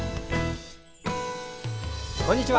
こんにちは。